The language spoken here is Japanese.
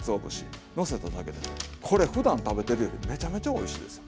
これふだん食べてるよりめちゃめちゃおいしいですよ。